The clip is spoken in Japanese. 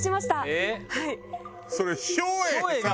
えっ？